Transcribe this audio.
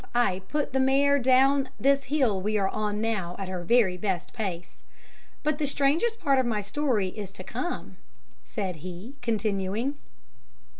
I put the mare down this hill we are on now at her very best pace. But the strangest part of my story is to come,' said he, continuing.